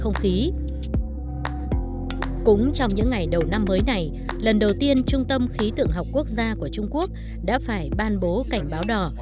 cũng trong những ngày đầu năm mới này lần đầu tiên trung tâm khí tượng học quốc gia của trung quốc đã phải ban bố cảnh báo đỏ